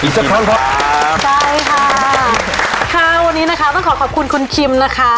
อีจักรพร้อมครับใช่ค่ะค่ะวันนี้นะคะต้องขอขอบคุณคุณคิมนะคะ